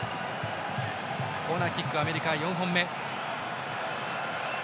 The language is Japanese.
コーナーキック、アメリカ４本目。